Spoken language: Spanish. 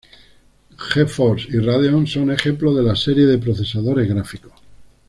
GeForce y Radeon son ejemplos de series de procesadores gráficos.